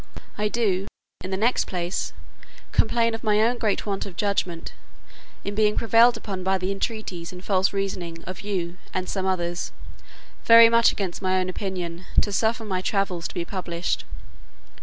I do, in the next place, complain of my own great want of judgment, in being prevailed upon by the entreaties and false reasoning of you and some others, very much against my own opinion, to suffer my travels to be published.